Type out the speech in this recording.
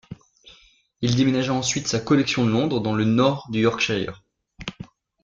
Il déménagea ensuite sa collection de Londres dans le Nord du Yorkshire.